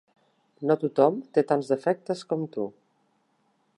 No tothom té tants defectes com tu.